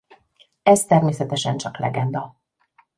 Ez természetesen csak legenda.